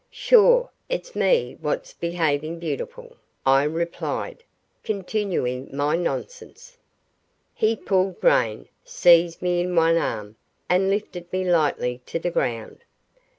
"Shure it's me wot's behavin' beautiful," I replied, continuing my nonsense. He pulled rein, seized me in one arm, and lifted me lightly to the ground.